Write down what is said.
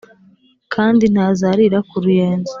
kandi ntazarira ku ruyenzi ".